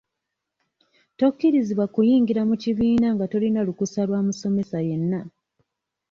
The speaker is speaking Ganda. Tokkirizibwa kuyingira mu kibiina nga tolina lukusa lwa musomesa yenna.